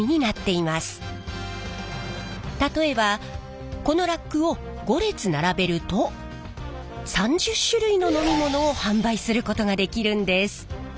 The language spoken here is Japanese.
例えばこのラックを５列並べると３０種類の飲み物を販売することができるんです。